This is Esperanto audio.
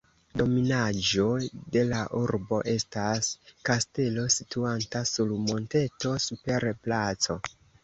Dominaĵo de la urbo estas kastelo, situanta sur monteto super placo.